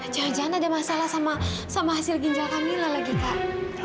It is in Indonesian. jangan jangan ada masalah sama hasil ginjal kamila lagi kak